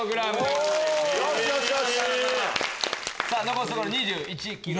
残すところ２１ｋｇ。